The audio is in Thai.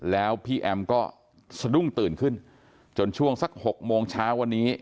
แล้วพี่แอมก็สะดุ้งตื่นขึ้นจนช่วงสัก๖โมงเช้าวันนี้